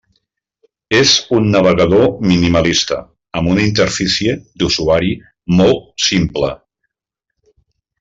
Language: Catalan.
És un navegador minimalista amb una interfície d'usuari molt simple.